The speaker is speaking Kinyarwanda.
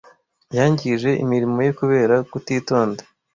Yangije imirimo ye kubera kutitonda.